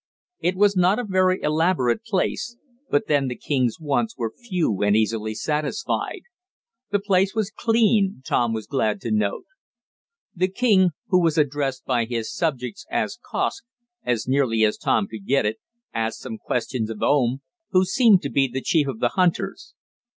It was not a very elaborate place, but then the king's wants were few and easily satisfied. The place was clean, Tom was glad to note. The king, who was addressed by his subjects as Kosk, as nearly as Tom could get it, asked some questions of Oom, who seemed to be the chief of the hunters.